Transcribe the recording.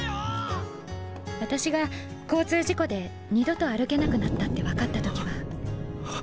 私が交通事故で二度と歩けなくなったって分かった時はあ。